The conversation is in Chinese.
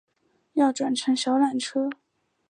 要转乘小缆车